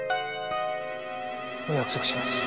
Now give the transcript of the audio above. お約束します。